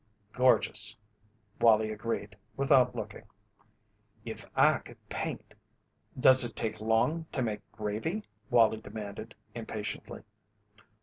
"Gorgeous," Wallie agreed without looking. "If I could paint." "Does it take long to make gravy?" Wallie demanded, impatiently.